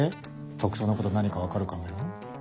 特捜のこと何か分かるかもよ。